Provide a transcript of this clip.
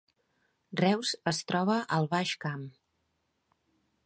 Reus es troba al Baix Camp